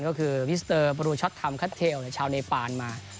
ก็คือวิสเตอร์บรูช็อตทัมคัทเทลชาวเนปานมา